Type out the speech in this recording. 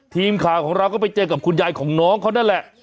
ทีมข่าวของเราก็ไปเจอกับคุณยายของน้องเขานั่นแหละ